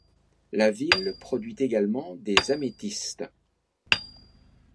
La ville produit également des améthystes.